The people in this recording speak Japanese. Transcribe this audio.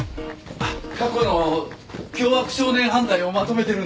あっ過去の凶悪少年犯罪をまとめてるんです。